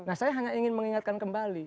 nah saya hanya ingin mengingatkan kembali